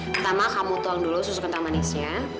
pertama kamu tuang dulu susu kental manisnya